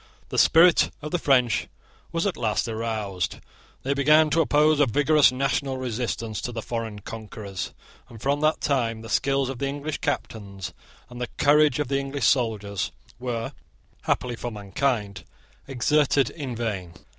The spirit of the French was at last aroused: they began to oppose a vigorous national resistance to the foreign conquerors; and from that time the skill of the English captains and the courage of the English soldiers were, happily for mankind, exerted in vain.